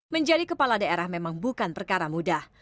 menjadi kepala daerah memang bukan perkara mudah